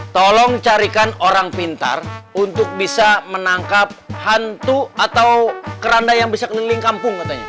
tolong carikan orang pintar untuk bisa menangkap hantu atau keranda yang bisa keliling kampung katanya